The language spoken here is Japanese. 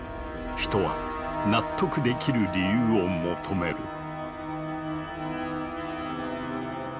人は納得できる理由を求める。